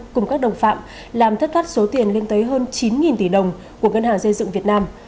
cùng các đồng phạm làm thất thoát số tiền lên tới hơn chín tỷ đồng của ngân hàng xây dựng việt nam